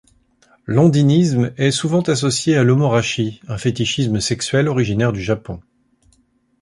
L'ondinisme est souvent associé à l'omorashi, un fétichisme sexuel originaire du Japon.